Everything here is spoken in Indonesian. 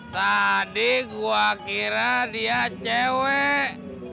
tadi gue kira dia cewek